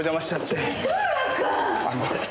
すいません。